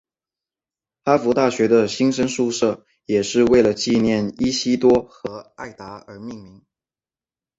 哈佛大学的新生宿舍也是为了纪念伊西多和艾达而命名。